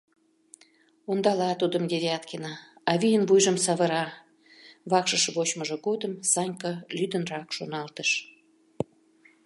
«Ондала тудым Девяткина, авийын вуйжым савыра», — вакшыш вочмыжо годым Санька лӱдынрак шоналтыш.